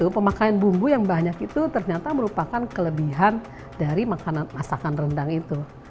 pemakaian bumbu yang banyak itu ternyata merupakan kelebihan dari masakan rendang itu